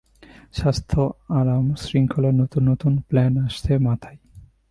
স্বাস্থ্য আরাম শৃঙ্খলার নতুন নতুন প্ল্যান আসছে মাথায়।